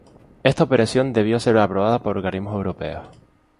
Esta operación debió ser aprobada por organismos europeos.